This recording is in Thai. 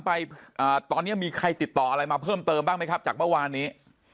ตอนนี้มีใครติดต่ออะไรมาเพิ่มเติมบ้างไหมครับจากเมื่อวานนี้